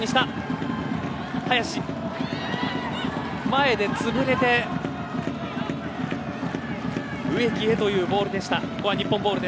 前で潰れて、植木へというボール。